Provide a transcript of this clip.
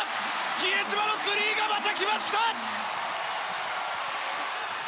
比江島のスリーがまたきました！